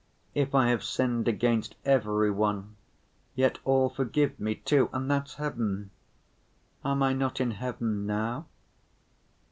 If I have sinned against every one, yet all forgive me, too, and that's heaven. Am I not in heaven now?"